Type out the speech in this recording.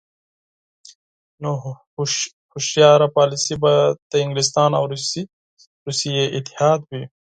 نو هوښیاره پالیسي به د انګلستان او روسیې اتحاد وي.